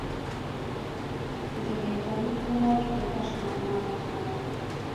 زه د انټرنیټ له لارې د درس معلومات اخلم.